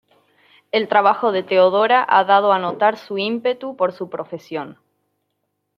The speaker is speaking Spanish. El trabajo de Teodora ha dado a notar su ímpetu por su profesión.